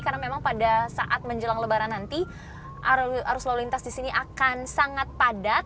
karena memang pada saat menjelang lebaran nanti arus lalu lintas di sini akan sangat padat